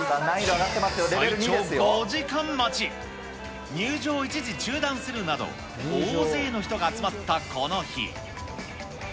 最長５時間待ち、入場を一時中断するなど、大勢の人が集まったこの日。